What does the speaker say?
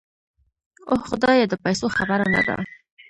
اوح خدايه د پيسو خبره نده.